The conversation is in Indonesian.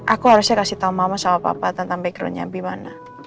aku harusnya kasih tahu mama sama papa tentang backgroundnya gimana